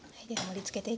はい。